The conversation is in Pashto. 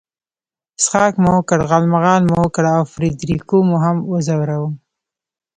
څښاک مو وکړ، غالمغال مو وکړ او فرېډریکو مو هم وځوراوه.